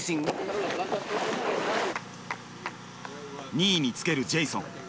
２位につけるジェイソン。